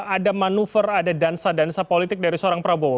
ada manuver ada dansa dansa politik dari seorang prabowo